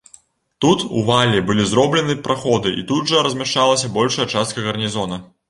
Тут у вале былі зроблены праходы, і тут жа размяшчалася большая частка гарнізона.